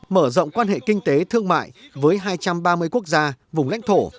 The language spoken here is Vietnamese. mở rộng quan hệ kinh tế thương mại với hai trăm ba mươi quốc gia vùng lãnh thổ